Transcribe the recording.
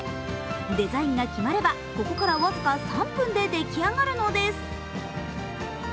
デザインが決まれば、ここから僅か３分で出来上がるのです。